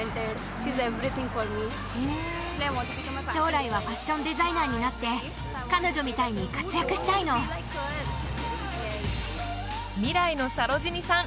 将来はファッションデザイナーになって彼女みたいに活躍したいの未来のサロジニさん